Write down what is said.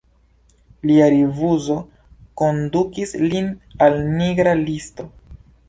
Lia rifuzo kondukis lin al nigra listo.